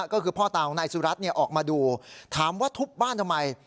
ก็คือพ่อตาของนายสุรัตน์ออกมาดูถามว่าทุบบ้านทำไม